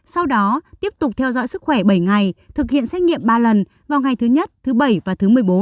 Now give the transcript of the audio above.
sau đó tiếp tục theo dõi sức khỏe bảy ngày thực hiện xét nghiệm ba lần vào ngày thứ nhất thứ bảy và thứ một mươi bốn